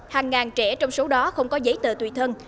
hàng ngàn trẻ trong số đó không có giấy tờ tùy thân